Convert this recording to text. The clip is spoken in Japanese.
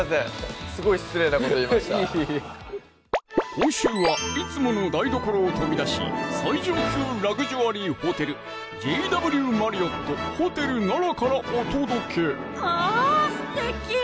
今週はいつもの台所を飛び出し最上級ラグジュアリーホテルＪＷマリオット・ホテル奈良からお届けあすてき！